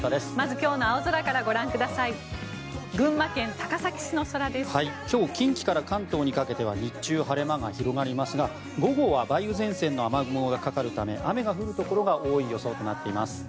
今日近畿から関東にかけては日中、晴れ間が広がりますが午後は梅雨前線の雨雲がかかるため雨が降るところが多い予想となっています。